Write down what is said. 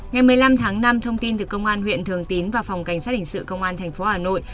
ngày một mươi năm tháng năm thông tin từ công an huyện thường tín và phòng cảnh sát hình sự công an thành phố hà nội